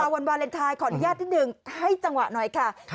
วันวาเลนไทยขออนุญาตนิดนึงให้จังหวะหน่อยค่ะ